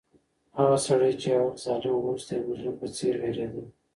هغه سړی چې یو وخت ظالم و، اوس د یو مظلوم په څېر وېرېده.